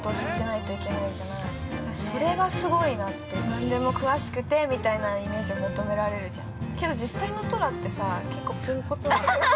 何でも詳しくてみたいなイメージを求められるじゃん。